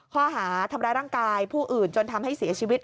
ข้อหาทำร้ายร่างกายผู้อื่นจนทำให้เสียชีวิต